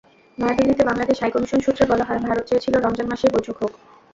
নয়াদিল্লিতে বাংলাদেশ হাইকমিশন সূত্রে বলা হয়, ভারত চেয়েছিল রমজান মাসেই বৈঠক হোক।